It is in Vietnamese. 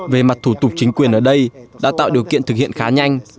về mặt thủ tục chính quyền ở đây đã tạo điều kiện thực hiện khá nhanh